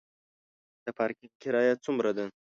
د پارکینګ کرایه څومره ده؟